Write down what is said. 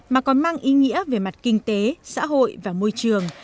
mà còn mang ý nghĩa về mặt kinh tế xã hội và môi trường